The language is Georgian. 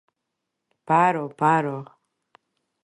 ბარო ბარო